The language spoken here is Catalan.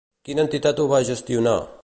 Quina entitat ho va gestionar?